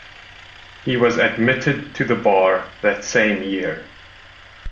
He was admitted to the bar that same year.